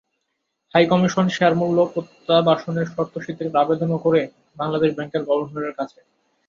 High commission শেয়ারমূল্য প্রত্যাবাসনের শর্ত শিথিলের আবেদনও করে বাংলাদেশ ব্যাংকের গভর্নরের কাছে।